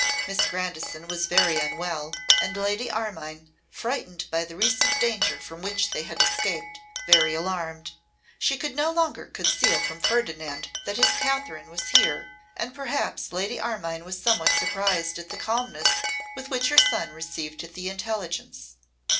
Miss Grandison was very unwell; and Lady Armine, frightened by the recent danger from which they had escaped, very alarmed. She could no longer conceal from Ferdinand that his Katherine was here, and perhaps Lady Armine was somewhat surprised at the calmness with which her son received the intelligence.